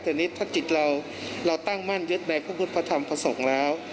แต่นี่ถ้าจิตเราเราตั้งมั่นยึดในพระพุทธพระธรรมพระสงฆ์แล้ว